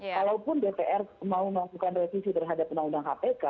walaupun dpr mau melakukan resisi terhadap undang undang kpk